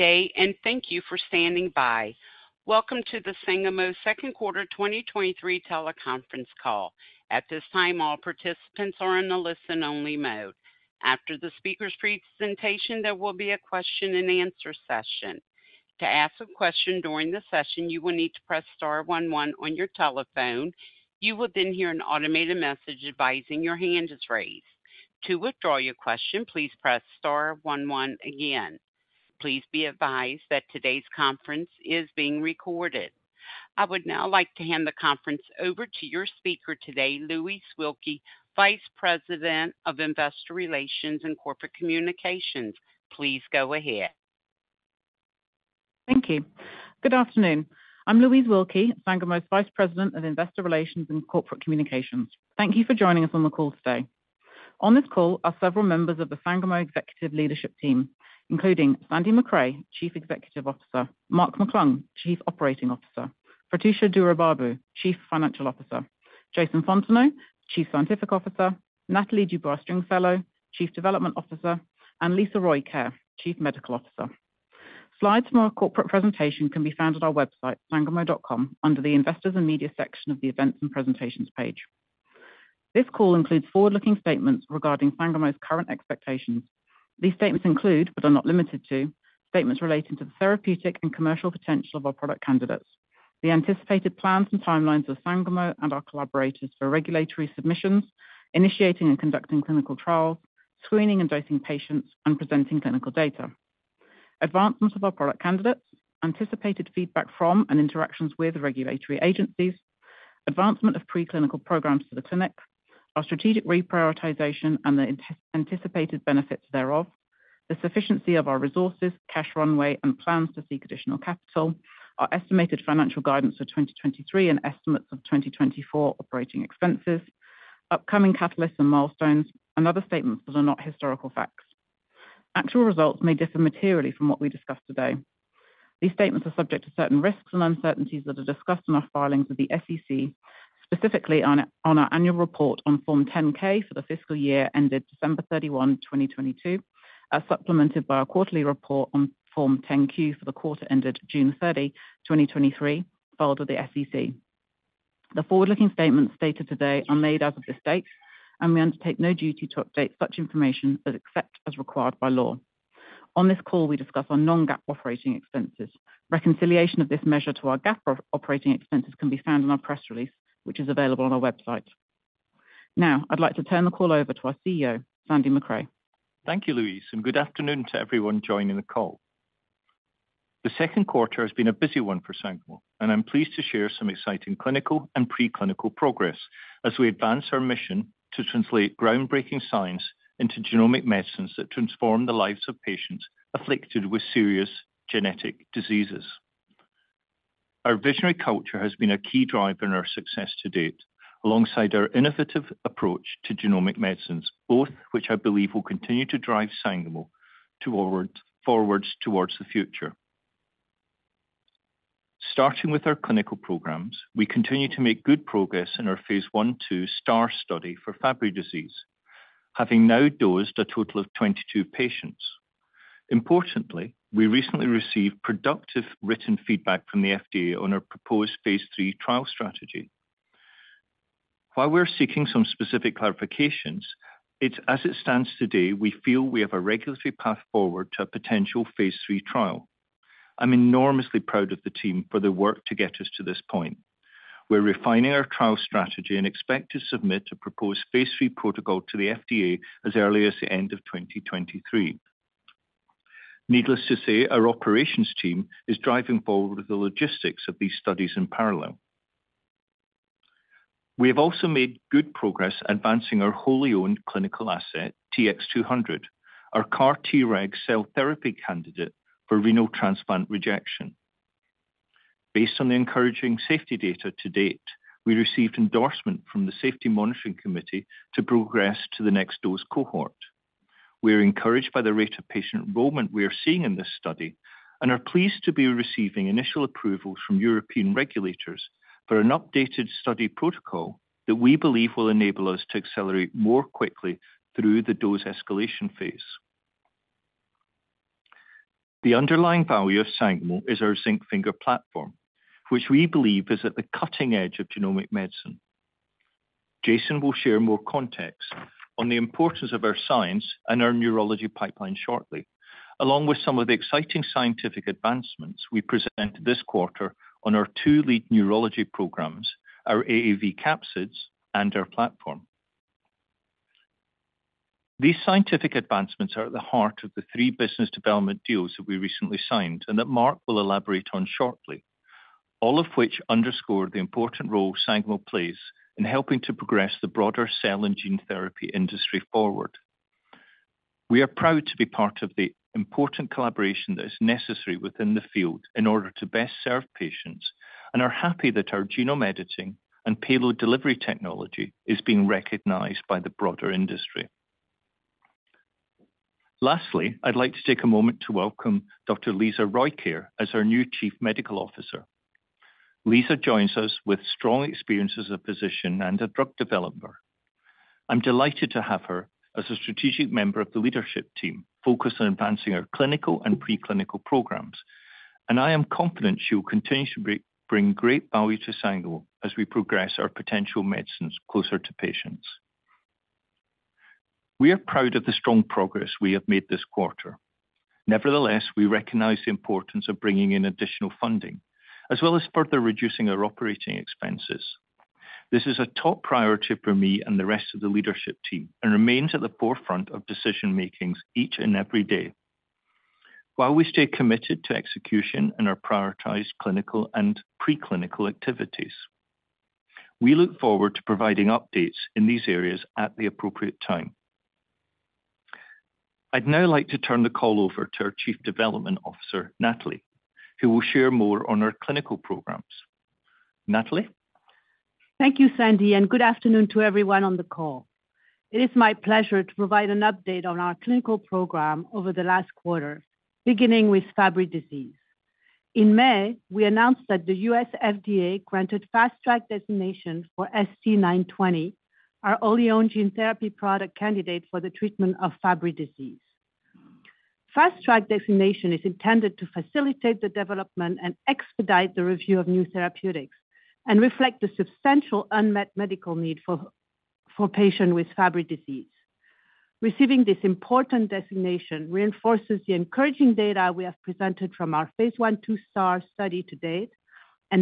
Good day. Thank you for standing by. Welcome to the Sangamo second quarter 2023 teleconference call. At this time, all participants are in a listen-only mode. After the speaker's presentation, there will be a question-and-answer session. To ask a question during the session, you will need to press star one one on your telephone. You will then hear an automated message advising your hand is raised. To withdraw your question, please press star one one again. Please be advised that today's conference is being recorded. I would now like to hand the conference over to your speaker today, Louise Wilkie, Vice President of Investor Relations and Corporate Communications. Please go ahead. Thank you. Good afternoon. I'm Louise Wilkie, Sangamo's Vice President of Investor Relations and Corporate Communications. Thank you for joining us on the call today. On this call are several members of the Sangamo executive leadership team, including Sandy Macrae, Chief Executive Officer, Mark McClung, Chief Operating Officer, Prathyusha Duraibabu, Chief Financial Officer, Jason Fontenot, Chief Scientific Officer, Nathalie Dubois-Stringfellow, Chief Development Officer, and Lisa Rojkjaer, Chief Medical Officer. Slides from our corporate presentation can be found at our website, sangamo.com, under the Investors and Media section of the Events and Presentations page. This call includes forward-looking statements regarding Sangamo's current expectations. These statements include, but are not limited to, statements relating to the therapeutic and commercial potential of our product candidates, the anticipated plans and timelines of Sangamo and our collaborators for regulatory submissions, initiating and conducting clinical trials, screening and dosing patients, and presenting clinical data. Advancement of our product candidates, anticipated feedback from and interactions with regulatory agencies, advancement of preclinical programs to the clinic, our strategic reprioritization and the anticipated benefits thereof, the sufficiency of our resources, cash runway, and plans to seek additional capital, our estimated financial guidance for 2023 and estimates of 2024 operating expenses, upcoming catalysts and milestones, and other statements that are not historical facts. Actual results may differ materially from what we discuss today. These statements are subject to certain risks and uncertainties that are discussed in our filings with the SEC, specifically on our annual report on Form 10-K for the fiscal year ended December 31, 2022, as supplemented by our quarterly report on Form 10-Q for the quarter ended June 30, 2023, filed with the SEC. The forward-looking statements stated today are made as of this date, we undertake no duty to update such information, except as required by law. On this call, we discuss our non-GAAP operating expenses. Reconciliation of this measure to our GAAP operating expenses can be found in our press release, which is available on our website. I'd like to turn the call over to our CEO, Sandy Macrae. Thank you, Louise. Good afternoon to everyone joining the call. The second quarter has been a busy one for Sangamo. I'm pleased to share some exciting clinical and preclinical progress as we advance our mission to translate groundbreaking science into genomic medicines that transform the lives of patients afflicted with serious genetic diseases. Our visionary culture has been a key driver in our success to date, alongside our innovative approach to genomic medicines, both which I believe will continue to drive Sangamo toward, forwards towards the future. Starting with our clinical programs, we continue to make good progress in our phase I, 2 STAAR study for Fabry disease, having now dosed a total of 22 patients. Importantly, we recently received productive written feedback from the FDA on our proposed phase III trial strategy. While we're seeking some specific clarifications, as it stands today, we feel we have a regulatory path forward to a potential phase III trial. I'm enormously proud of the team for their work to get us to this point. We're refining our trial strategy and expect to submit a proposed phase III protocol to the FDA as early as the end of 2023. Needless to say, our operations team is driving forward with the logistics of these studies in parallel. We have also made good progress advancing our wholly owned clinical asset, TX-200, our CAR-Treg cell therapy candidate for renal transplant rejection. Based on the encouraging safety data to date, we received endorsement from the Safety Monitoring Committee to progress to the next dose cohort. We are encouraged by the rate of patient enrollment we are seeing in this study and are pleased to be receiving initial approvals from European regulators for an updated study protocol that we believe will enable us to accelerate more quickly through the dose escalation phase. The underlying value of Sangamo is our zinc finger platform, which we believe is at the cutting edge of genomic medicine. Jason will share more context on the importance of our science and our neurology pipeline shortly, along with some of the exciting scientific advancements we presented this quarter on our 2 lead neurology programs, our AAV capsids and our platform. These scientific advancements are at the heart of the three business development deals that we recently signed and that Mark will elaborate on shortly, all of which underscore the important role Sangamo plays in helping to progress the broader cell and gene therapy industry forward. We are proud to be part of the important collaboration that is necessary within the field in order to best serve patients and are happy that our genome editing and payload delivery technology is being recognized by the broader industry. Lastly, I'd like to take a moment to welcome Dr. Lisa Rojkjaer as our new Chief Medical Officer. Lisa joins us with strong experience as a physician and a drug developer. I'm delighted to have her as a strategic member of the leadership team, focused on advancing our clinical and preclinical programs, and I am confident she will continue to bring, bring great value to Sangamo as we progress our potential medicines closer to patients. We are proud of the strong progress we have made this quarter. Nevertheless, we recognize the importance of bringing in additional funding, as well as further reducing our operating expenses. This is a top priority for me and the rest of the leadership team, and remains at the forefront of decision-making each and every day. While we stay committed to execution and our prioritized clinical and preclinical activities, we look forward to providing updates in these areas at the appropriate time. I'd now like to turn the call over to our Chief Development Officer, Nathalie, who will share more on our clinical programs. Nathalie? Thank you, Sandy. Good afternoon to everyone on the call. It is my pleasure to provide an update on our clinical program over the last quarter, beginning with Fabry disease. In May, we announced that the U.S. FDA granted Fast Track designation for ST-920, our wholly owned gene therapy product candidate for the treatment of Fabry disease. Fast Track designation is intended to facilitate the development and expedite the review of new therapeutics and reflect the substantial unmet medical need for patients with Fabry disease. Receiving this important designation reinforces the encouraging data we have presented from our phase 1/2 STAAR study to date,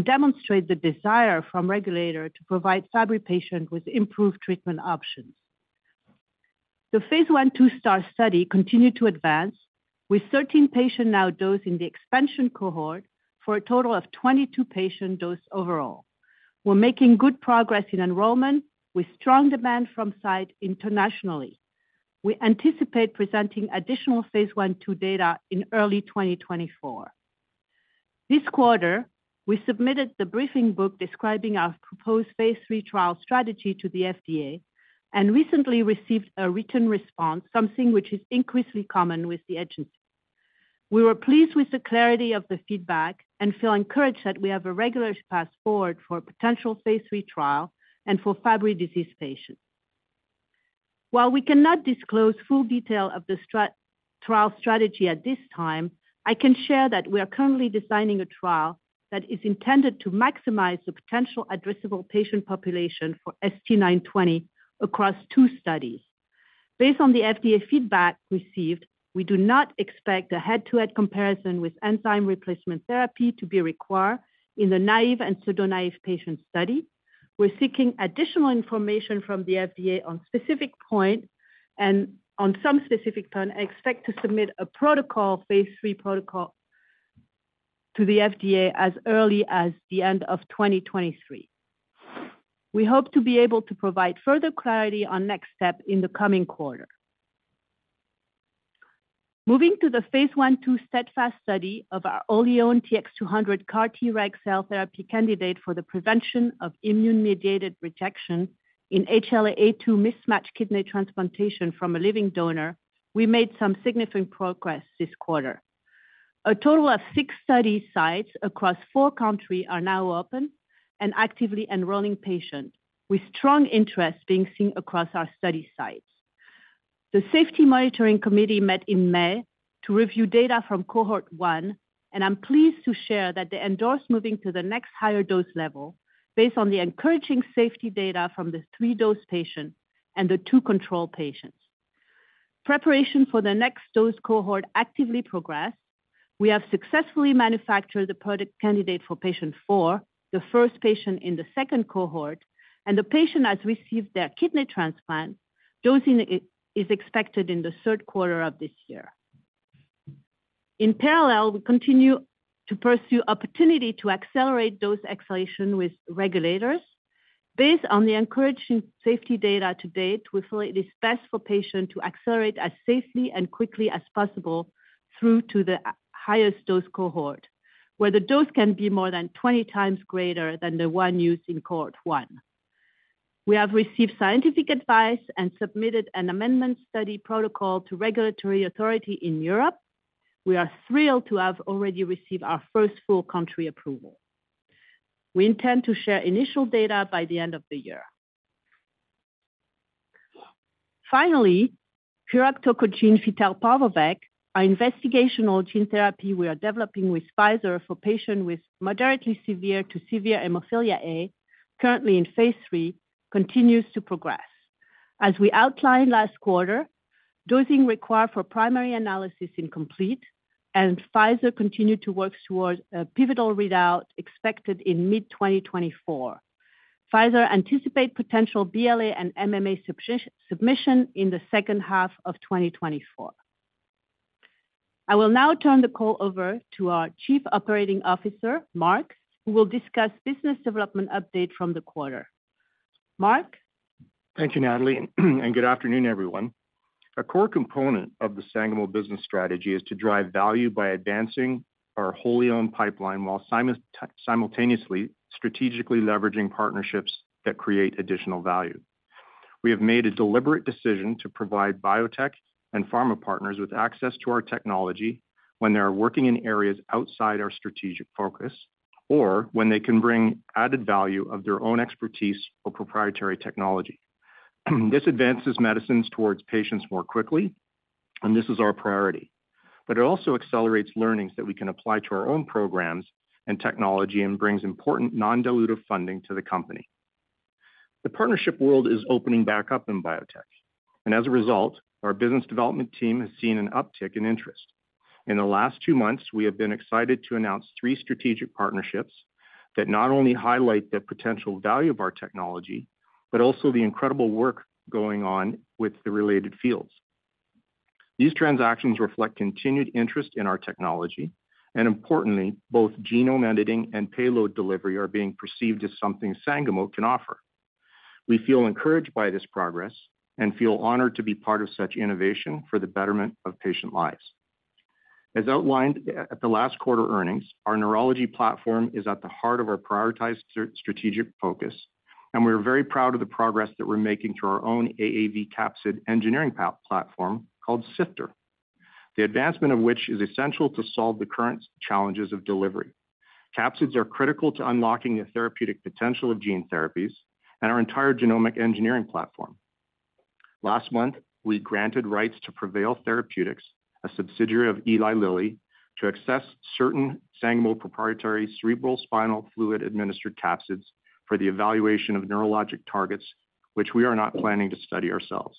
demonstrates the desire from regulator to provide Fabry patients with improved treatment options. The phase 1/2 STAAR study continued to advance, with 13 patients now dosed in the expansion cohort for a total of 22 patients dosed overall. We're making good progress in enrollment, with strong demand from sites internationally. We anticipate presenting additional phase 1/2 data in early 2024. This quarter, we submitted the briefing book describing our proposed phase III trial strategy to the FDA and recently received a written response, something which is increasingly common with the agency. We were pleased with the clarity of the feedback and feel encouraged that we have a regulatory path forward for a potential phase III trial and for Fabry disease patients. While we cannot disclose full detail of the trial strategy at this time, I can share that we are currently designing a trial that is intended to maximize the potential addressable patient population for ST-920 across 2 studies. Based on the FDA feedback received, we do not expect a head-to-head comparison with enzyme replacement therapy to be required in the naive and pseudo-naive patient study. We're seeking additional information from the FDA on specific points, and on some specific points, I expect to submit a protocol, phase III protocol, to the FDA as early as the end of 2023. We hope to be able to provide further clarity on next steps in the coming quarter. Moving to the Phase 1/2 STEADFAST study of our wholly owned TX200 CAR-Treg cell therapy candidate for the prevention of immune-mediated rejection in HLA-A2 mismatched kidney transplantation from a living donor, we made some significant progress this quarter. A total of six study sites across four countries are now open and actively enrolling patients, with strong interest being seen across our study sites. The Safety Monitoring Committee met in May to review data from cohort 1, and I'm pleased to share that they endorsed moving to the next higher dose level based on the encouraging safety data from the 3 dose patients and the 2 control patients. Preparation for the next dose cohort actively progressed. We have successfully manufactured the product candidate for patient 4, the first patient in the second cohort, and the patient has received their kidney transplant. Dosing is expected in the third quarter of this year. In parallel, we continue to pursue opportunity to accelerate dose escalation with regulators. Based on the encouraging safety data to date, we feel it is best for patients to accelerate as safely and quickly as possible through to the highest dose cohort, where the dose can be more than 20 times greater than the 1 used in cohort 1. We have received scientific advice and submitted an amendment study protocol to regulatory authority in Europe. We are thrilled to have already received our first full country approval. We intend to share initial data by the end of the year. Finally, giroctocogene fitelparvovec, our investigational gene therapy we are developing with Pfizer for patients with moderately severe to severe hemophilia A, currently in phase III, continues to progress. As we outlined last quarter, dosing required for primary analysis is complete, and Pfizer continued to work towards a pivotal readout expected in mid-2024. Pfizer anticipate potential BLA and MAA submission in the second half of 2024. I will now turn the call over to our Chief Operating Officer, Mark, who will discuss business development update from the quarter. Mark? Thank you, Nathalie, and good afternoon, everyone. A core component of the Sangamo business strategy is to drive value by advancing our wholly owned pipeline while simultaneously strategically leveraging partnerships that create additional value. We have made a deliberate decision to provide biotech and pharma partners with access to our technology when they are working in areas outside our strategic focus, or when they can bring added value of their own expertise or proprietary technology. This advances medicines towards patients more quickly, and this is our priority, but it also accelerates learnings that we can apply to our own programs and technology, and brings important non-dilutive funding to the company. The partnership world is opening back up in biotech, and as a result, our business development team has seen an uptick in interest. In the last two months, we have been excited to announce three strategic partnerships that not only highlight the potential value of our technology, but also the incredible work going on with the related fields. Importantly, these transactions reflect continued interest in our technology, and both genome editing and payload delivery are being perceived as something Sangamo can offer. We feel encouraged by this progress and feel honored to be part of such innovation for the betterment of patient lives. As outlined at the last quarter earnings, our neurology platform is at the heart of our prioritized strategic focus. We're very proud of the progress that we're making through our own AAV capsid engineering platform, called SIFTER. The advancement of which is essential to solve the current challenges of delivery. Capsids are critical to unlocking the therapeutic potential of gene therapies and our entire genomic engineering platform. Last month, we granted rights to Prevail Therapeutics, a subsidiary of Eli Lilly, to access certain Sangamo proprietary cerebrospinal fluid-administered capsids for the evaluation of neurologic targets, which we are not planning to study ourselves.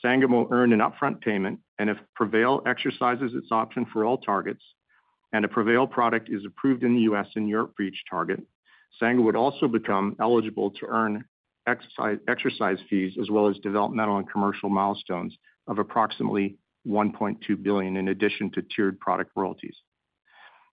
Sangamo earned an upfront payment. If Prevail exercises its option for all targets, and a Prevail product is approved in the US and Europe for each target, Sangamo would also become eligible to earn exercise fees as well as developmental and commercial milestones of approximately $1.2 billion, in addition to tiered product royalties.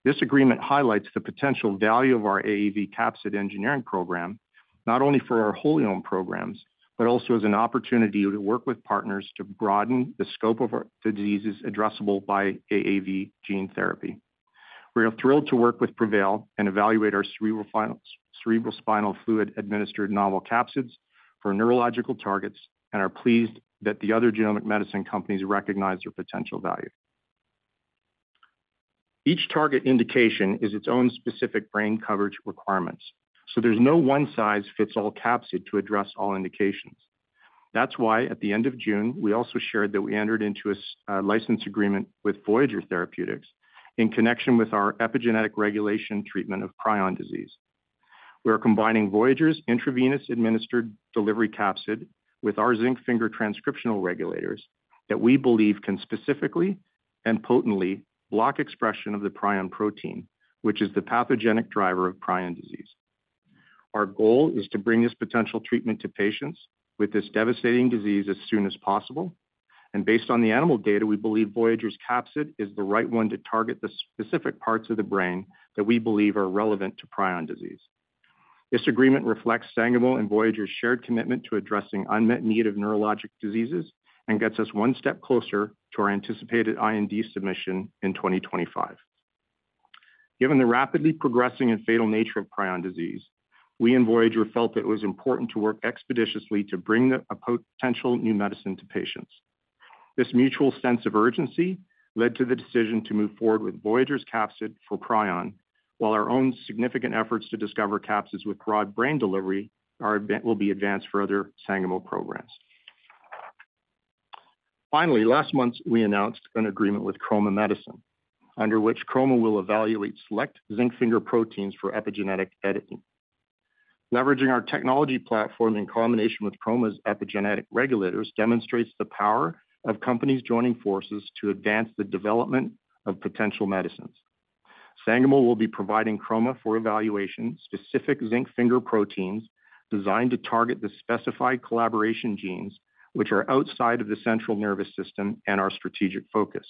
This agreement highlights the potential value of our AAV capsid engineering program, not only for our HOLOME programs, but also as an opportunity to work with partners to broaden the scope of the diseases addressable by AAV gene therapy. We are thrilled to work with Prevail and evaluate our cerebrospinal fluid-administered novel capsids for neurological targets and are pleased that the other genomic medicine companies recognize their potential value. Each target indication is its own specific brain coverage requirements, there's no one-size-fits-all capsid to address all indications. That's why, at the end of June, we also shared that we entered into a license agreement with Voyager Therapeutics in connection with our epigenetic regulation treatment of prion disease. We are combining Voyager's intravenous administered delivery capsid with our zinc finger transcriptional regulators that we believe can specifically and potently block expression of the prion protein, which is the pathogenic driver of prion disease. Our goal is to bring this potential treatment to patients with this devastating disease as soon as possible. Based on the animal data, we believe Voyager's capsid is the right one to target the specific parts of the brain that we believe are relevant to prion disease. This agreement reflects Sangamo and Voyager's shared commitment to addressing unmet need of neurologic diseases and gets us 1 step closer to our anticipated IND submission in 2025. Given the rapidly progressing and fatal nature of prion disease, we and Voyager felt it was important to work expeditiously to bring a potential new medicine to patients. This mutual sense of urgency led to the decision to move forward with Voyager's capsid for prion, while our own significant efforts to discover capsids with broad brain delivery will be advanced for other Sangamo programs. Finally, last month, we announced an agreement with Chroma Medicine, under which Chroma will evaluate select zinc finger proteins for epigenetic editing. Leveraging our technology platform in combination with Chroma's epigenetic regulators, demonstrates the power of companies joining forces to advance the development of potential medicines. Sangamo will be providing Chroma for evaluation, specific zinc finger proteins designed to target the specified collaboration genes, which are outside of the central nervous system and our strategic focus,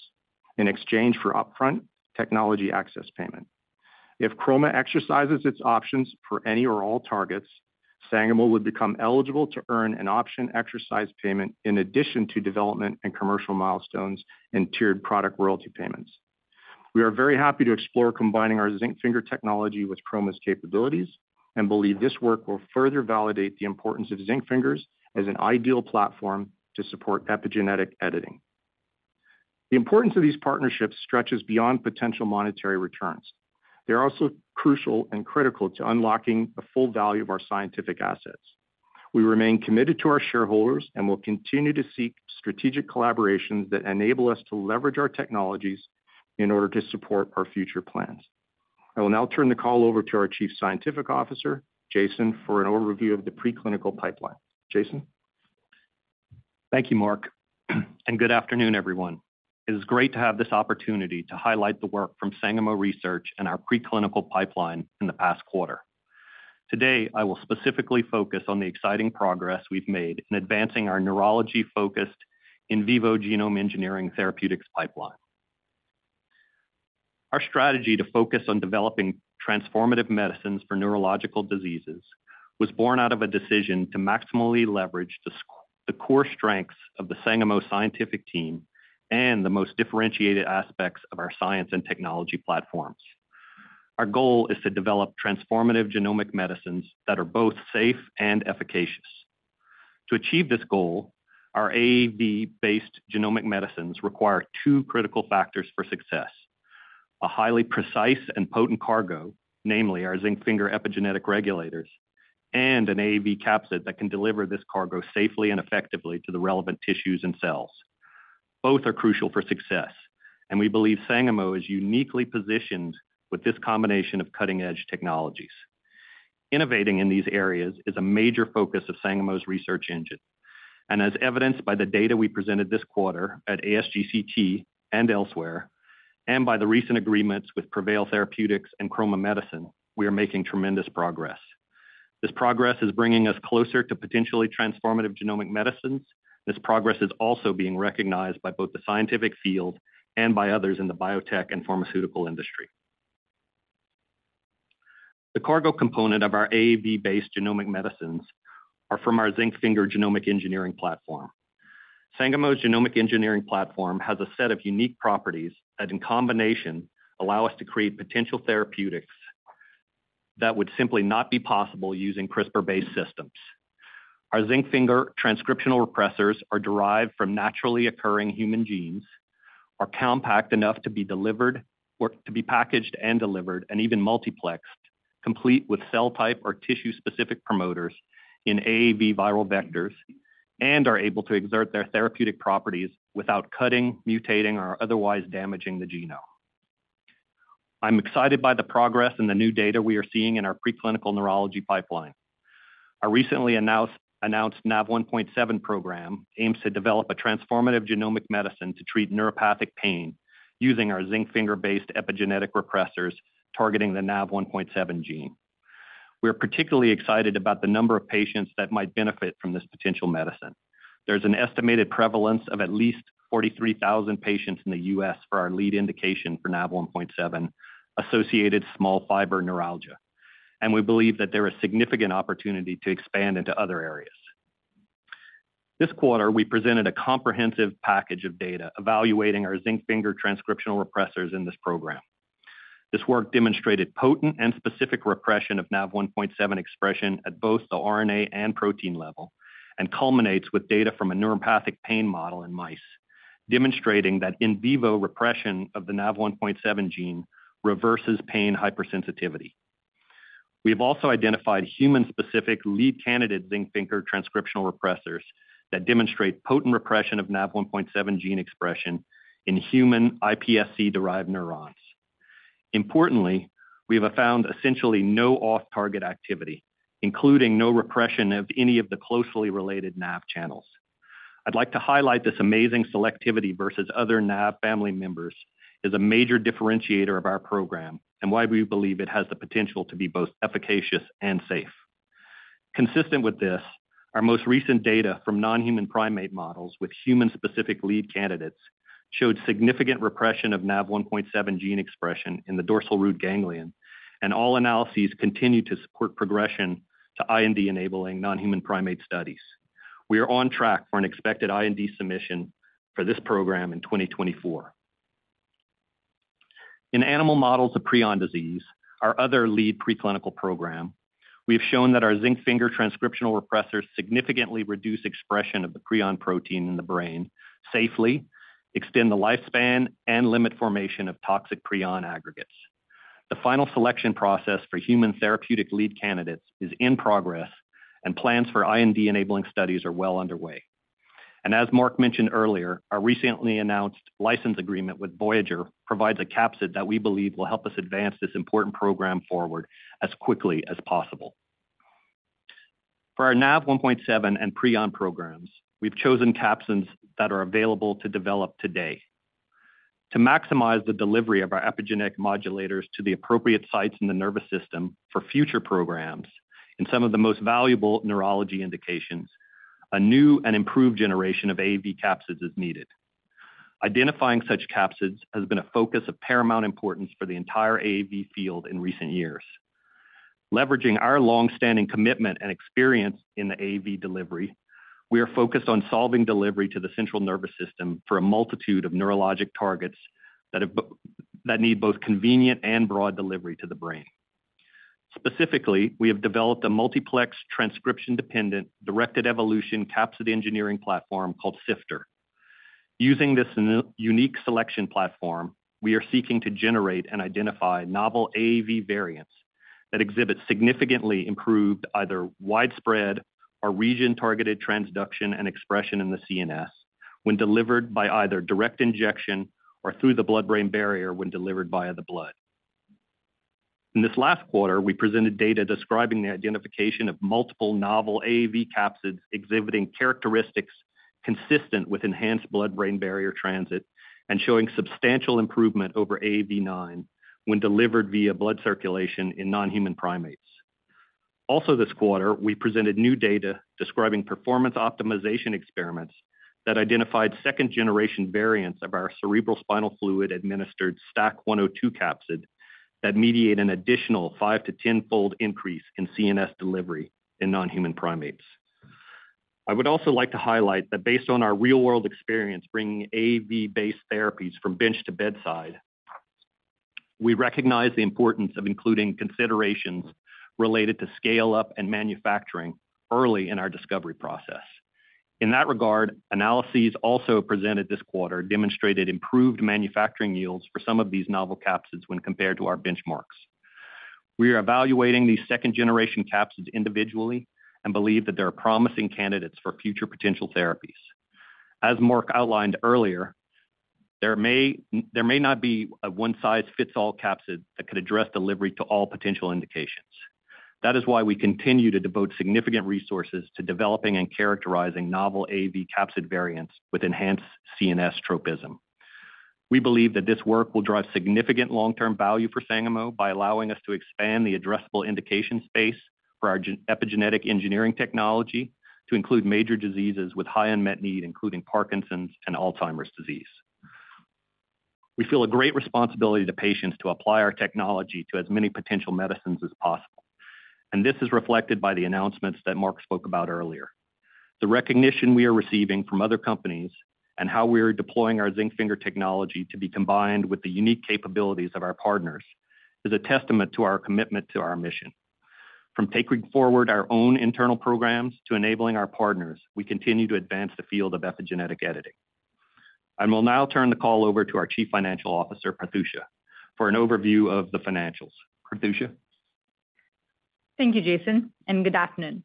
in exchange for upfront technology access payment. If Chroma exercises its options for any or all targets, Sangamo would become eligible to earn an option exercise payment in addition to development and commercial milestones and tiered product royalty payments. We are very happy to explore combining our zinc finger technology with Chroma's capabilities and believe this work will further validate the importance of zinc fingers as an ideal platform to support epigenetic editing. The importance of these partnerships stretches beyond potential monetary returns. They're also crucial and critical to unlocking the full value of our scientific assets. We remain committed to our shareholders and will continue to seek strategic collaborations that enable us to leverage our technologies in order to support our future plans. I will now turn the call over to our Chief Scientific Officer, Jason, for an overview of the preclinical pipeline. Jason? Thank you, Mark, and good afternoon, everyone. It is great to have this opportunity to highlight the work from Sangamo Research and our preclinical pipeline in the past quarter. Today, I will specifically focus on the exciting progress we've made in advancing our neurology-focused in vivo genome engineering therapeutics pipeline. Our strategy to focus on developing transformative medicines for neurological diseases was born out of a decision to maximally leverage the core strengths of the Sangamo scientific team and the most differentiated aspects of our science and technology platforms. Our goal is to develop transformative genomic medicines that are both safe and efficacious. To achieve this goal, our AAV-based genomic medicines require two critical factors for success: A highly precise and potent cargo, namely our zinc finger epigenetic regulators, and an AAV capsid that can deliver this cargo safely and effectively to the relevant tissues and cells. Both are crucial for success, and we believe Sangamo is uniquely positioned with this combination of cutting-edge technologies. Innovating in these areas is a major focus of Sangamo's research engine, and as evidenced by the data we presented this quarter at ASGCT and elsewhere, and by the recent agreements with Prevail Therapeutics and Chroma Medicine, we are making tremendous progress. This progress is bringing us closer to potentially transformative genomic medicines. This progress is also being recognized by both the scientific field and by others in the biotech and pharmaceutical industry. The cargo component of our AAV-based genomic medicines are from our zinc finger genomic engineering platform. Sangamo's genomic engineering platform has a set of unique properties that, in combination, allow us to create potential therapeutics that would simply not be possible using CRISPR-based systems. Our zinc finger transcriptional repressors are derived from naturally occurring human genes, are compact enough to be delivered or to be packaged and delivered, and even multiplexed, complete with cell type or tissue-specific promoters in AAV viral vectors, and are able to exert their therapeutic properties without cutting, mutating, or otherwise damaging the genome. I'm excited by the progress and the new data we are seeing in our preclinical neurology pipeline. Our recently announced Nav1.7 program aims to develop a transformative genomic medicine to treat neuropathic pain using our zinc finger-based epigenetic repressors targeting the Nav1.7 gene. We are particularly excited about the number of patients that might benefit from this potential medicine. There's an estimated prevalence of at least 43,000 patients in the US for our lead indication for Nav1.7-associated small fiber neuropathy. We believe that there is significant opportunity to expand into other areas. This quarter, we presented a comprehensive package of data evaluating our zinc finger transcriptional repressors in this program. This work demonstrated potent and specific repression of Nav1.7 expression at both the RNA and protein level, and culminates with data from a neuropathic pain model in mice, demonstrating that in vivo repression of the Nav1.7 gene reverses pain hypersensitivity. We have also identified human-specific lead candidate zinc finger transcriptional repressors that demonstrate potent repression of Nav1.7 gene expression in human iPSC-derived neurons. Importantly, we have found essentially no off-target activity, including no repression of any of the closely related Nav channels. I'd like to highlight this amazing selectivity versus other AAV family members is a major differentiator of our program and why we believe it has the potential to be both efficacious and safe. Consistent with this, our most recent data from non-human primate models with human-specific lead candidates showed significant repression of Nav1.7 gene expression in the dorsal root ganglion, and all analyses continue to support progression to IND-enabling non-human primate studies. We are on track for an expected IND submission for this program in 2024. In animal models of prion disease, our other lead preclinical program, we have shown that our zinc finger transcriptional repressors significantly reduce expression of the prion protein in the brain, safely extend the lifespan and limit formation of toxic prion aggregates. The final selection process for human therapeutic lead candidates is in progress, and plans for IND-enabling studies are well underway. As Mark mentioned earlier, our recently announced license agreement with Voyager provides a capsid that we believe will help us advance this important program forward as quickly as possible. For our Nav1.7 and prion programs, we've chosen capsids that are available to develop today. To maximize the delivery of our epigenetic modulators to the appropriate sites in the nervous system for future programs, in some of the most valuable neurology indications, a new and improved generation of AAV capsids is needed. Identifying such capsids has been a focus of paramount importance for the entire AAV field in recent years. Leveraging our longstanding commitment and experience in the AAV delivery, we are focused on solving delivery to the central nervous system for a multitude of neurologic targets that have that need both convenient and broad delivery to the brain. Specifically, we have developed a multiplex transcription-dependent, directed evolution capsid engineering platform called SIFTER. Using this unique selection platform, we are seeking to generate and identify novel AAV variants that exhibit significantly improved, either widespread or region-targeted transduction and expression in the CNS, when delivered by either direct injection or through the blood-brain barrier when delivered via the blood. In this last quarter, we presented data describing the identification of multiple novel AAV capsids exhibiting characteristics consistent with enhanced blood-brain barrier transit and showing substantial improvement over AAV9 when delivered via blood circulation in non-human primates. Also this quarter, we presented new data describing performance optimization experiments that identified second-generation variants of our cerebrospinal fluid-administered STAC-102 capsid that mediate an additional 5-10-fold increase in CNS delivery in non-human primates. I would also like to highlight that based on our real-world experience bringing AAV-based therapies from bench to bedside, we recognize the importance of including considerations related to scale-up and manufacturing early in our discovery process. In that regard, analyses also presented this quarter demonstrated improved manufacturing yields for some of these novel capsids when compared to our benchmarks. We are evaluating these second-generation capsids individually and believe that they are promising candidates for future potential therapies. As Mark outlined earlier, there may, there may not be a one-size-fits-all capsid that could address delivery to all potential indications. That is why we continue to devote significant resources to developing and characterizing novel AAV capsid variants with enhanced CNS tropism. We believe that this work will drive significant long-term value for Sangamo by allowing us to expand the addressable indication space for our epigenetic engineering technology to include major diseases with high unmet need, including Parkinson's and Alzheimer's disease. We feel a great responsibility to patients to apply our technology to as many potential medicines as possible. This is reflected by the announcements that Mark spoke about earlier. The recognition we are receiving from other companies and how we are deploying our zinc finger technology to be combined with the unique capabilities of our partners, is a testament to our commitment to our mission. From taking forward our own internal programs to enabling our partners, we continue to advance the field of epigenetic editing. I will now turn the call over to our Chief Financial Officer, Prathyusha, for an overview of the financials. Prathyusha? Thank you, Jason, and good afternoon.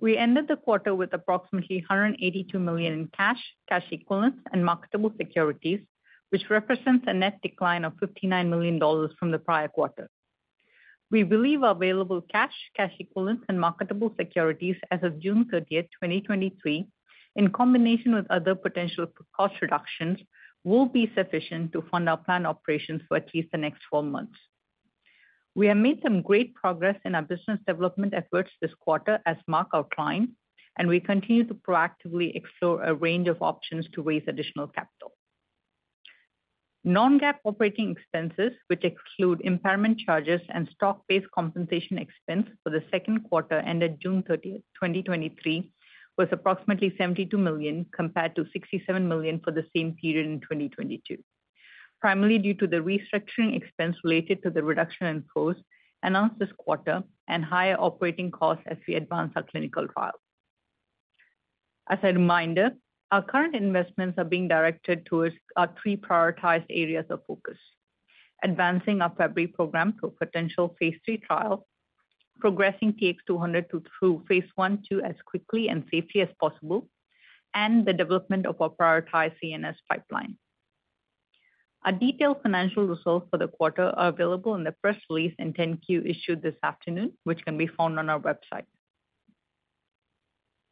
We ended the quarter with approximately $182 million in cash, cash equivalents, and marketable securities, which represents a net decline of $59 million from the prior quarter. We believe our available cash, cash equivalents, and marketable securities as of June 30th, 2023, in combination with other potential cost reductions, will be sufficient to fund our planned operations for at least the next four months. We have made some great progress in our business development efforts this quarter, as Mark outlined, and we continue to proactively explore a range of options to raise additional capital. Non-GAAP operating expenses, which exclude impairment charges and stock-based compensation expense for the second quarter ended June 30, 2023, was approximately $72 million, compared to $67 million for the same period in 2022, primarily due to the restructuring expense related to the reduction in costs announced this quarter and higher operating costs as we advance our clinical trials. As a reminder, our current investments are being directed towards our three prioritized areas of focus: advancing our Fabry program to a potential phase III trial, progressing TX200 through phase I/II as quickly and safely as possible, and the development of our prioritized CNS pipeline. Our detailed financial results for the quarter are available in the press release and 10-Q issued this afternoon, which can be found on our website.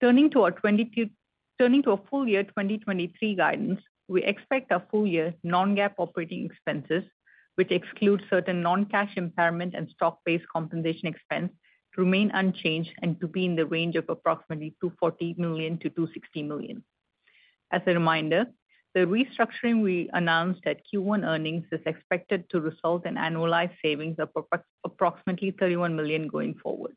Turning to our full year 2023 guidance, we expect our full-year non-GAAP operating expenses, which exclude certain non-cash impairment and stock-based compensation expense, to remain unchanged and to be in the range of approximately $240 million-$260 million. As a reminder, the restructuring we announced at Q1 earnings is expected to result in annualized savings of approximately $31 million going forward.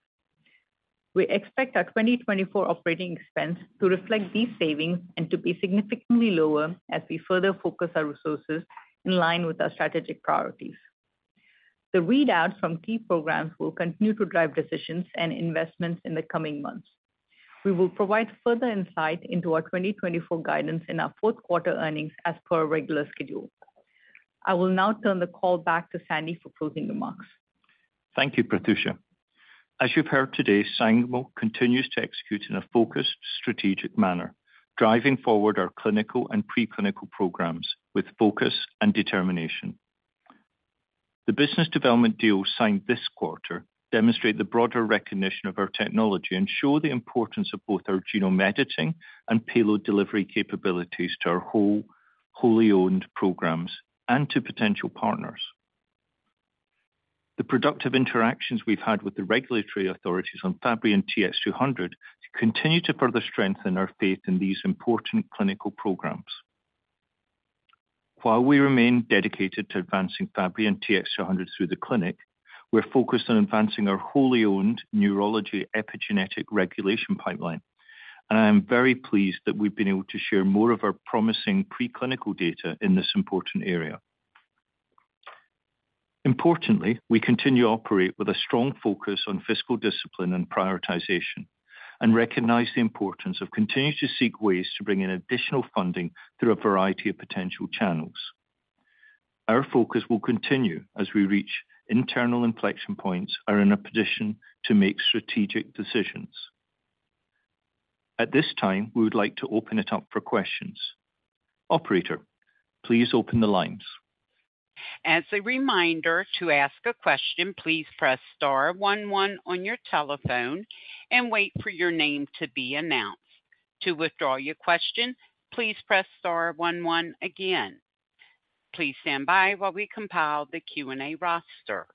We expect our 2024 operating expense to reflect these savings and to be significantly lower as we further focus our resources in line with our strategic priorities. The readouts from key programs will continue to drive decisions and investments in the coming months. We will provide further insight into our 2024 guidance in our fourth quarter earnings as per our regular schedule. I will now turn the call back to Sandy for closing remarks. Thank you, Prathyusha. As you've heard today, Sangamo continues to execute in a focused, strategic manner, driving forward our clinical and preclinical programs with focus and determination. The business development deals signed this quarter demonstrate the broader recognition of our technology and show the importance of both our genome editing and payload delivery capabilities to our wholly owned programs and to potential partners. The productive interactions we've had with the regulatory authorities on Fabry and TX200 continue to further strengthen our faith in these important clinical programs. While we remain dedicated to advancing Fabry and TX200 through the clinic, we're focused on advancing our wholly owned neurology epigenetic regulation pipeline, I am very pleased that we've been able to share more of our promising preclinical data in this important area. Importantly, we continue to operate with a strong focus on fiscal discipline and prioritization and recognize the importance of continuing to seek ways to bring in additional funding through a variety of potential channels. Our focus will continue as we reach internal inflection points and are in a position to make strategic decisions. At this time, we would like to open it up for questions. Operator, please open the lines. As a reminder, to ask a question, please press star one one on your telephone and wait for your name to be announced. To withdraw your question, please press star one one again. Please stand by while we compile the Q&A roster.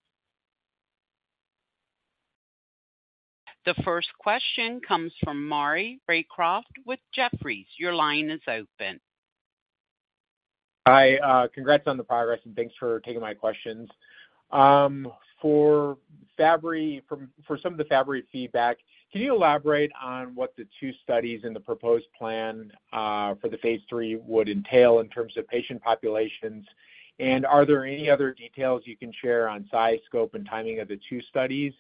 The first question comes from Maury Raycroft with Jefferies. Your line is open. Hi, congrats on the progress, and thanks for taking my questions. For Fabry, from, for some of the Fabry feedback, can you elaborate on what the two studies in the proposed plan, for the phase III would entail in terms of patient populations? Are there any other details you can share on size, scope, and timing of the two studies?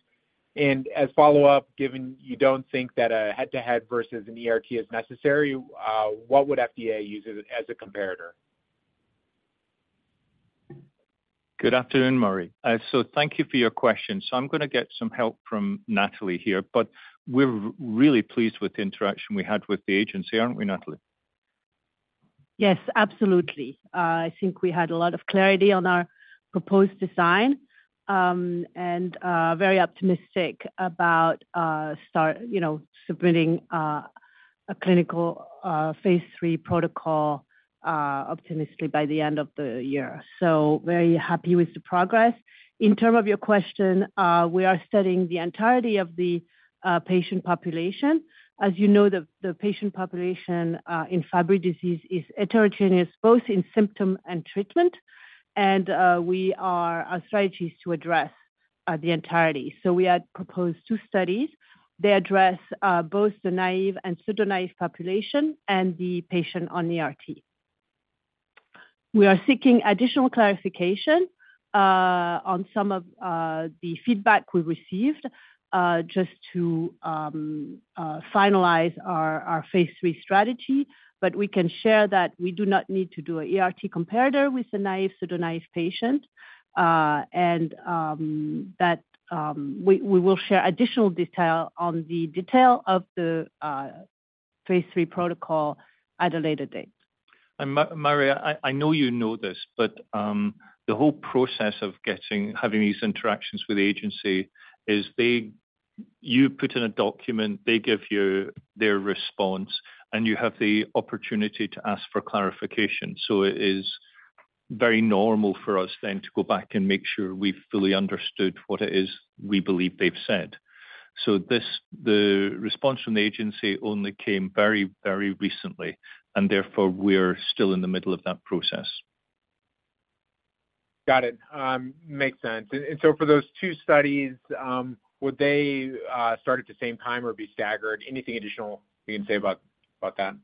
As follow-up, given you don't think that a head-to-head versus an ERT is necessary, what would FDA use as, as a comparator? Good afternoon, Maury. Thank you for your question. I'm going to get some help from Natalie here, but we're really pleased with the interaction we had with the agency, aren't we, Natalie? Yes, absolutely. I think we had a lot of clarity on our proposed design, and very optimistic about start, you know, submitting a clinical phase III protocol optimistically by the end of the year. So very happy with the progress. In terms of your question, we are studying the entirety of the patient population. As you know, the patient population in Fabry disease is heterogeneous, both in symptom and treatment, and we are... our strategy is to address the entirety. So we had proposed two studies. They address both the naive and pseudo-naive population and the patient on ERT. We are seeking additional clarification on some of the feedback we received just to finalize our phase III strategy, but we can share that we do not need to do an ERT comparator with the naive, pseudo-naive patient, and that we will share additional detail on the detail of the phase III protocol at a later date. Maury, I, I know you know this, but the whole process of getting, having these interactions with the agency is you put in a document, they give you their response, and you have the opportunity to ask for clarification. It is very normal for us then to go back and make sure we've fully understood what it is we believe they've said. This, the response from the agency only came very, very recently, and therefore, we're still in the middle of that process. Got it. makes sense. For those 2 studies, would they start at the same time or be staggered? Anything additional you can say about, about that?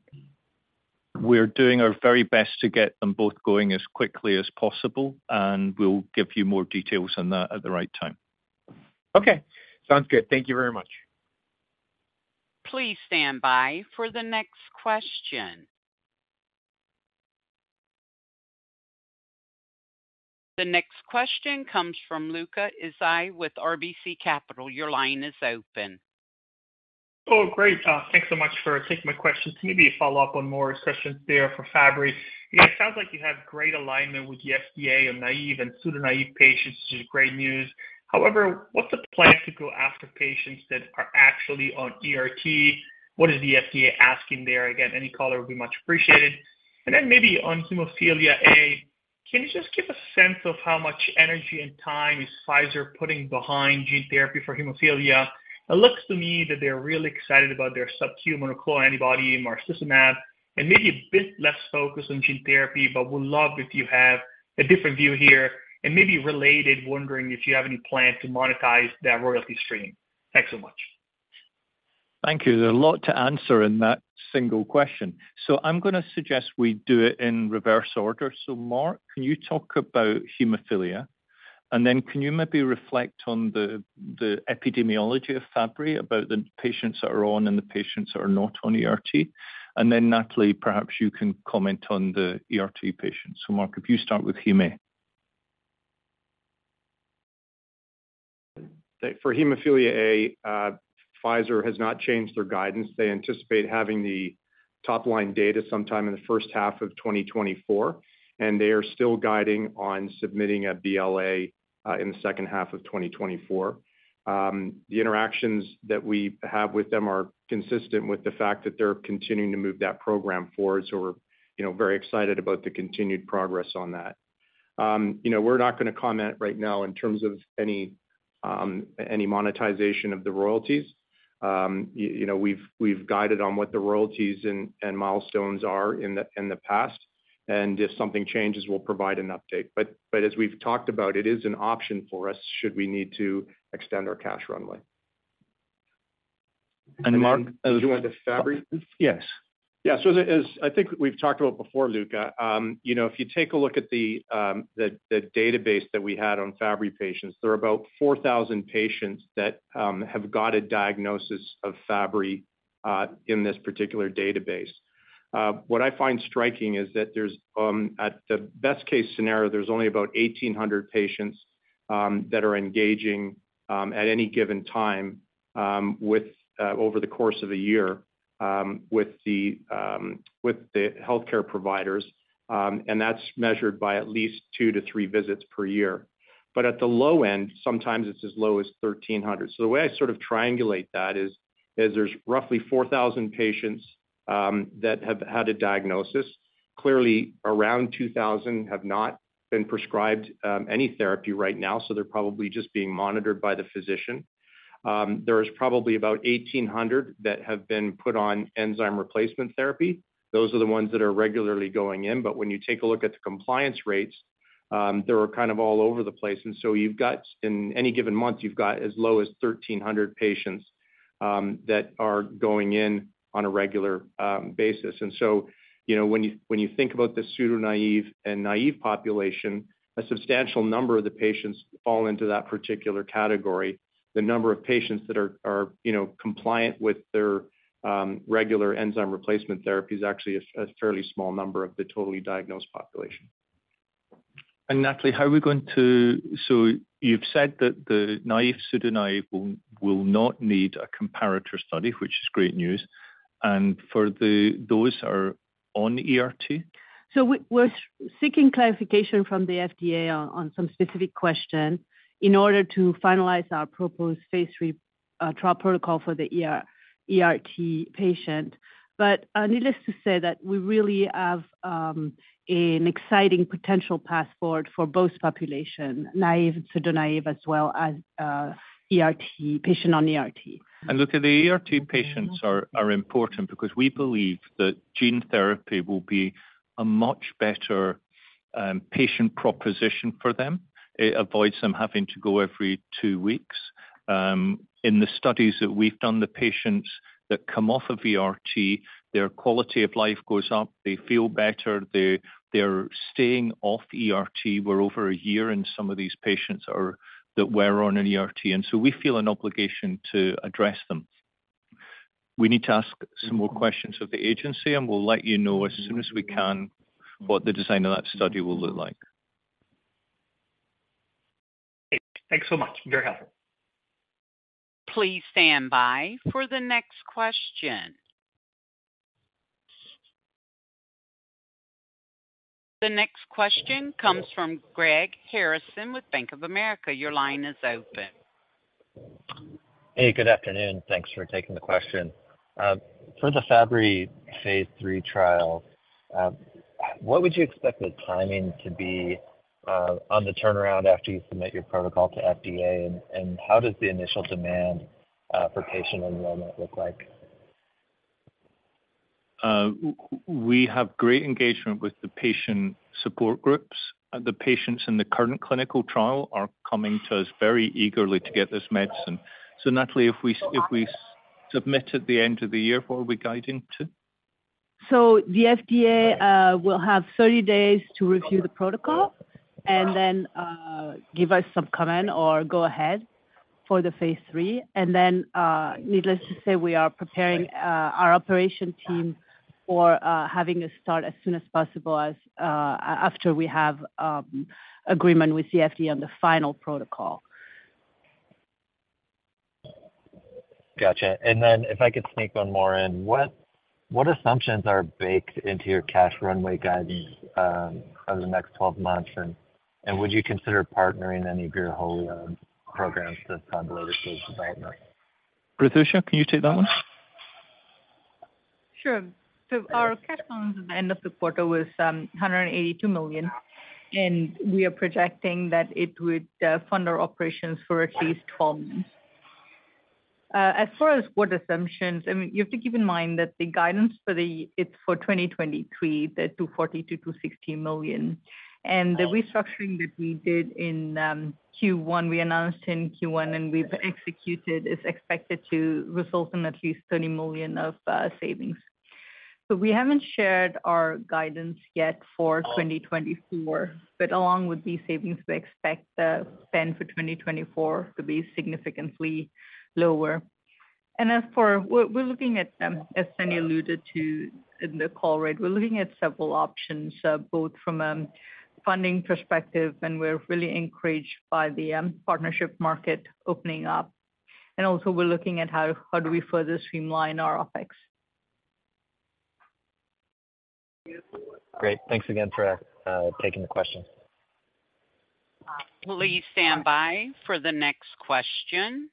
We're doing our very best to get them both going as quickly as possible, and we'll give you more details on that at the right time. Okay, sounds good. Thank you very much. Please stand by for the next question. The next question comes from Luca Issi with RBC Capital. Your line is open. Oh, great. Thanks so much for taking my question. Maybe a follow-up on Maury's question there for Fabry. It sounds like you have great alignment with the FDA on naive and pseudo-naive patients, which is great news. However, what's the plan to go after patients that are actually on ERT? What is the FDA asking there? Again, any color would be much appreciated. Then maybe on hemophilia A, can you just give a sense of how much energy and time is Pfizer putting behind gene therapy for hemophilia? It looks to me that they're really excited about their subcutaneous antibody, marstacimab, and maybe a bit less focused on gene therapy, but would love if you have a different view here. Maybe related, wondering if you have any plan to monetize that royalty stream. Thanks so much. Thank you. There's a lot to answer in that single question. I'm going to suggest we do it in reverse order. Mark, can you talk about hemophilia? Then can you maybe reflect on the epidemiology of Fabry, about the patients that are on and the patients that are not on ERT? Then, Natalie, perhaps you can comment on the ERT patients. Mark, if you start with hemo A. For hemophilia A, Pfizer has not changed their guidance. They anticipate having the top-line data sometime in the first half of 2024, and they are still guiding on submitting a BLA in the second half of 2024. The interactions that we have with them are consistent with the fact that they're continuing to move that program forward. We're, you know, very excited about the continued progress on that. You know, we're not going to comment right now in terms of any monetization of the royalties. You know, we've, we've guided on what the royalties and, and milestones are in the, in the past, and if something changes, we'll provide an update. As we've talked about, it is an option for us, should we need to extend our cash runway. Mark do you want the Fabry? Yes. Yeah. The, as I think we've talked about before, Luca, you know, if you take a look at the, the, the database that we had on Fabry patients, there are about 4,000 patients that have got a diagnosis of Fabry in this particular database. What I find striking is that there's at the best case scenario, there's only about 1,800 patients that are engaging at any given time with over the course of a year with the healthcare providers, and that's measured by at least 2-3 visits per year. At the low end, sometimes it's as low as 1,300. The way I sort of triangulate that is, is there's roughly 4,000 patients that have had a diagnosis. clearly, around 2,000 have not been prescribed any therapy right now, so they're probably just being monitored by the physician. There is probably about 1,800 that have been put on enzyme replacement therapy. Those are the ones that are regularly going in. When you take a look at the compliance rates, they were kind of all over the place. You've got, in any given month, you've got as low as 1,300 patients that are going in on a regular basis. You know, when you, when you think about the pseudo-naive and naive population, a substantial number of the patients fall into that particular category. The number of patients that are, are, you know, compliant with their regular enzyme replacement therapy is actually a fairly small number of the totally diagnosed population. Nathalie, you've said that the naive, pseudo-naive will not need a comparator study, which is great news, and those are on ERT? We're seeking clarification from the FDA on some specific question in order to finalize our proposed phase III trial protocol for the ERT patient. Needless to say, that we really have an exciting potential passport for both population, naive and pseudo-naive, as well as ERT, patient on ERT. Look, the ERT patients are, are important because we believe that gene therapy will be a much better patient proposition for them. It avoids them having to go every two weeks. In the studies that we've done, the patients that come off of ERT, their quality of life goes up, they feel better, they, they're staying off ERT. We're over 1 year, and some of these patients are, that were on an ERT, and so we feel an obligation to address them. We need to ask some more questions of the agency, and we'll let you know as soon as we can what the design of that study will look like. Thanks so much. Very helpful. Please stand by for the next question. The next question comes from Greg Harrison with Bank of America. Your line is open. Hey, good afternoon. Thanks for taking the question. For the Fabry phase III trial, what would you expect the timing to be on the turnaround after you submit your protocol to FDA, and how does the initial demand for patient enrollment look like? We have great engagement with the patient support groups. The patients in the current clinical trial are coming to us very eagerly to get this medicine. Nathalie, if we, if we submit at the end of the year, what are we guiding to? The FDA will have 30 days to review the protocol and then give us some comment or go ahead for the phase III. Needless to say, we are preparing our operation team for having a start as soon as possible as after we have agreement with the FDA on the final protocol. Gotcha. If I could sneak one more in: What, what assumptions are baked into your cash runway guidance, over the next 12 months, and, and would you consider partnering any of your whole, programs that's under late-stage development? Prathyusha, can you take that one? Sure. Our cash balance at the end of the quarter was $182 million, and we are projecting that it would fund our operations for at least 12 months. As far as what assumptions, I mean, you have to keep in mind that the guidance for the it's for 2023, the $240 million-$260 million. The restructuring that we did in Q1, we announced in Q1 and we've executed, is expected to result in at least $30 million of savings. We haven't shared our guidance yet for 2024, but along with these savings, we expect the spend for 2024 to be significantly lower. As for. We're looking at, as Sandy alluded to in the call, right, we're looking at several options, both from a funding perspective, and we're really encouraged by the partnership market opening up. Also we're looking at how do we further streamline our OpEx. Great. Thanks again for taking the question. Please stand by for the next question.